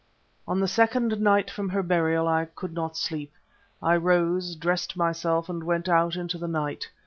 On the second night from her burial I could not sleep. I rose, dressed myself, and went out into the night.